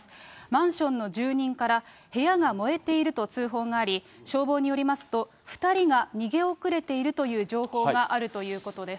マンションの住人から、部屋が燃えていると通報があり、消防によりますと、２人が逃げ遅れているという情報があるということです。